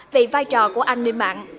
về vai trò của an ninh mạng